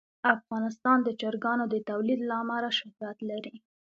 افغانستان د چرګانو د تولید له امله شهرت لري.